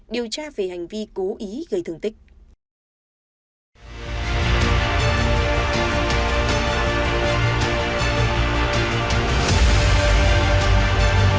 điều tra về hành vi cố ý gây thương tích